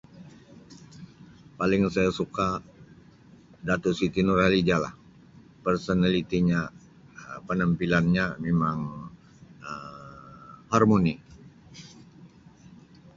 Paling saya suka Dato Siti Nurhalijah lah personalitinya, Um penampilanya mimang Um harmoni.